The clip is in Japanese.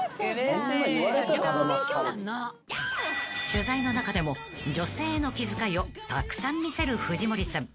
［取材の中でも女性への気遣いをたくさん見せる藤森さん］